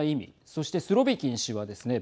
そしてスロビキン氏はですね